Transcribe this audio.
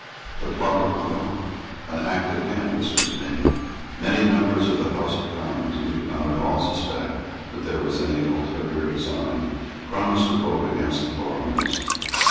The plot looked well. An active canvass was made. Many members of the House of Commons, who did not at all suspect that there was any ulterior design, promised to vote against the foreigners.